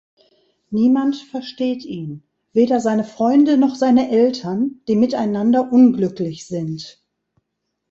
Niemand versteht ihn, weder seine Freunde noch seine Eltern, die miteinander unglücklich sind.